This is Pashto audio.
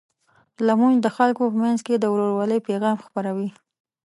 لمونځ د خلکو په منځ کې د ورورولۍ پیغام خپروي.